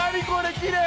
きれい！